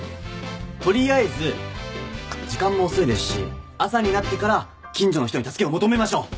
取りあえず時間も遅いですし朝になってから近所の人に助けを求めましょう。